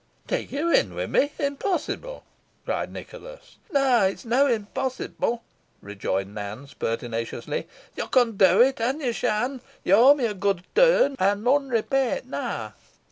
"Take you in with me impossible!" cried Nicholas. "Nah! it's neaw impossible," rejoined Nance, pertinaciously; "yo con do it, an yo shan. Yo owe me a good turn, and mun repay it now."